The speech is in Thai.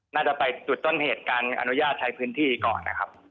น่าจะไปจุดต้นเหตุการอนุญาตใช้พื้นที่ก่อนนะครับ